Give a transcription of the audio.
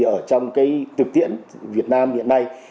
ở trong thực tiễn việt nam hiện nay